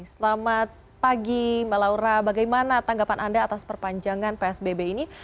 selamat pagi mbak laura bagaimana tanggapan anda atas perpanjangan psbb ini